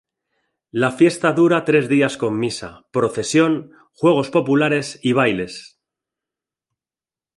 La fiesta dura tres días con misa, procesión, juegos populares y bailes.